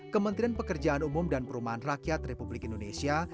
kementerian pekerjaan umum dan perumahan rakyat republik indonesia